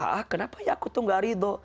ah kenapa ya aku tuh gak ridho